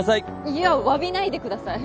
いやわびないでください。